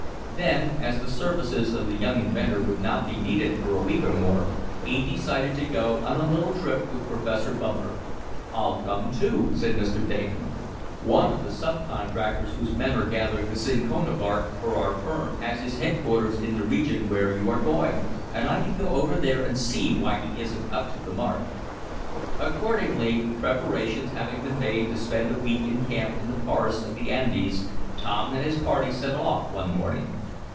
Then, as the services of the young inventor would not be needed for a week or more, he decided to go on a little trip with Professor Bumper. "I'll come too," said Mr. Damon. "One of the sub contractors whose men are gathering the cinchona bark for our firm has his headquarters in the region where you are going, and I can go over there and see why he isn't up to the mark." Accordingly, preparations having been made to spend a week in camp in the forests of the Andes, Tom and his party set off one morning.